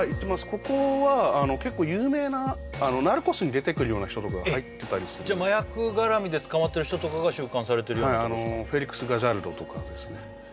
ここは結構有名な「ナルコス」に出てくるような人とかが入ってたりするじゃあ麻薬絡みで捕まってる人とかが収監されてるようなとこですかはいフェリクス・ガジャルドとかですね